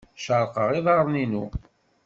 Cerrqeɣ iḍarren-inu.